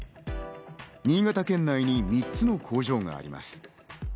新潟県内に３つの工場があります。